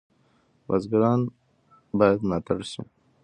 بزګران باید ملاتړ شي.